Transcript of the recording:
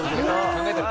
考えてる。